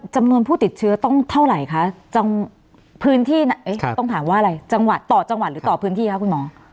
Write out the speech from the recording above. จำนวนผู้ติดเชื้อต้องเท่าไหร่คะต่อจังหวัดหรือต่อพื้นที่ครับคุณหมอ